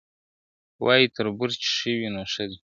وایي تربور چي ښه وي نو ښه دی ,